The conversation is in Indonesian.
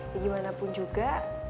ya gimana pun juga